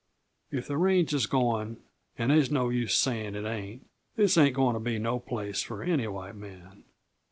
If the range is going and they's no use saying it ain't this ain't going to be no place for any white man."